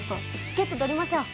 チケット取りましょう。